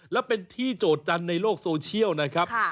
และเป็นที่โจทยจันทร์ในโลกโซเชียลนะครับ